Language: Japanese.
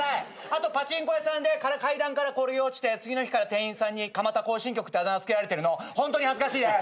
あとパチンコ屋さんでか階段から転げ落ちて次の日から店員さんに蒲田行進曲ってあだ名つけられてるのホントに恥ずかしいです。